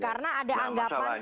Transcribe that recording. karena ada anggapan